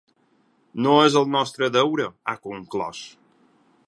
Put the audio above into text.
No és el nostre deure, ha conclòs.